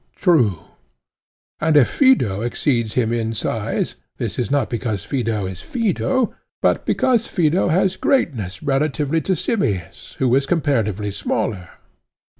True. And if Phaedo exceeds him in size, this is not because Phaedo is Phaedo, but because Phaedo has greatness relatively to Simmias, who is comparatively smaller?